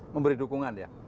memberi dukungan ya